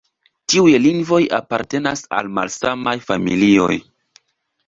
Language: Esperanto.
Tiuj lingvoj apartenas al malsamaj familioj.